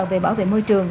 về bảo vệ môi trường